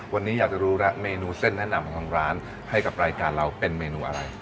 วันนี้อยากจะรู้แล้วเมนูเส้นแนะนำของทางร้านให้กับรายการเราเป็นเมนูอะไร